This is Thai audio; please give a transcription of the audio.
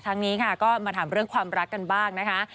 นี้ค่ะก็มาถามเรื่องความรักกันบ้างนะคะ